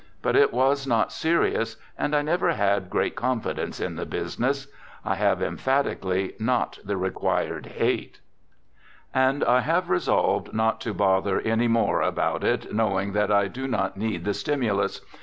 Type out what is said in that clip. But it was not serious, and I never had great confidence in the business. I have, emphatically, not the required " hate." And I have resolved not to bother any more about it, knowing that I do not need the stimulus.